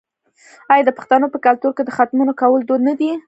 آیا د پښتنو په کلتور کې د ختمونو کول دود نه دی؟